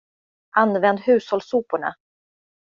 Använd hushållssoporna!